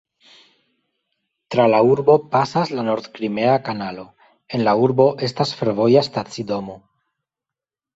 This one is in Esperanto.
Tra la urbo pasas la nord-krimea kanalo; en la urbo estas fervoja stacidomo.